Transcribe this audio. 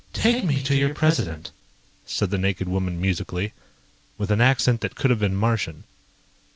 "Take me to your President," said the naked woman musically, with an accent that could have been Martian.